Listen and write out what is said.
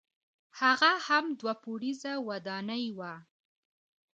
هغه هم دوه پوړیزه ودانۍ وه.